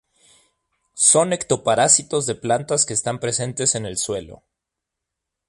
Son ectoparásitos de plantas que están presentes en el suelo.